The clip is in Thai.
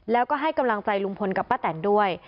แล้วก็ให้กำลังใจลุงพลกับป้าแตนด้วย